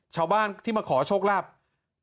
ชาวบ้านที่มาขอโชคลาภ